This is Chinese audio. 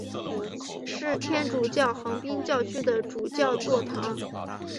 是天主教横滨教区的主教座堂。